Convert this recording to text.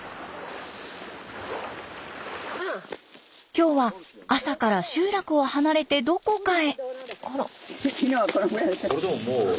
今日は朝から集落を離れてどこかへ。